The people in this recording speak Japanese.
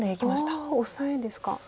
ああオサエですか。